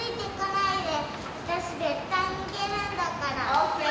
オーケー！